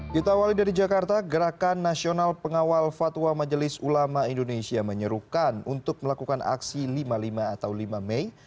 kita awali dari jakarta gerakan nasional pengawal fatwa majelis ulama indonesia menyerukan untuk melakukan aksi lima puluh lima atau lima mei